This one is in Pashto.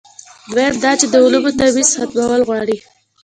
دویم دا چې د علومو تمیز ختمول غواړي.